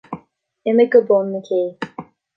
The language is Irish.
Imigh go bun na cé.